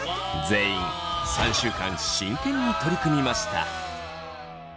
全員３週間真剣に取り組みました。